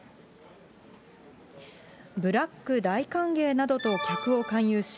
ブラック大歓迎などと客を勧誘し、